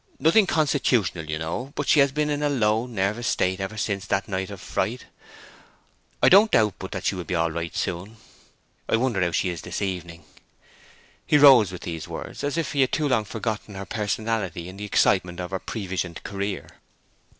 Nothing constitutional, you know; but she has been in a low, nervous state ever since that night of fright. I don't doubt but that she will be all right soon....I wonder how she is this evening?" He rose with the words, as if he had too long forgotten her personality in the excitement of her previsioned career.